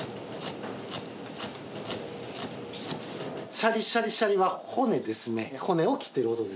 「シャリシャリシャリ」は骨ですね。